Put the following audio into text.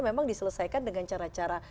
memang diselesaikan dengan cara cara